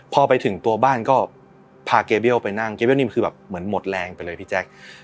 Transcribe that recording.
พอไปถึงตัวบ้านก็พาเกเบี้ยวไปนั่งเกลนิ่มคือแบบเหมือนหมดแรงไปเลยพี่แจ๊ค